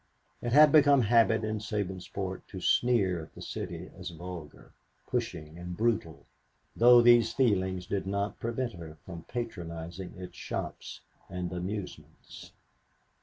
It had become the habit in Sabinsport to sneer at the city as vulgar, pushing and brutal, though these feelings did not prevent her from patronizing its shops and amusements.